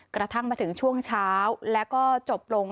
กระทั่งมาถึงช่วงเช้าแล้วก็จบลง